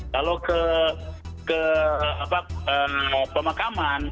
kalau ke pemakaman